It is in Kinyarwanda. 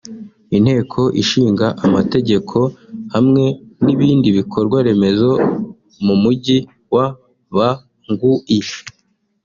Inteko Ishinga Amategeko hamwe n’ibindi bikorwa remezo mu Mujyi wa Bangui